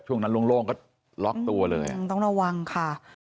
ช่วงนั้นโล่งก็ล็อกตัวเลยต้องระวังค่ะ